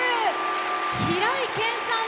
平井堅さん